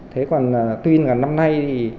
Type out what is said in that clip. thế còn tuy nhiên là năm nay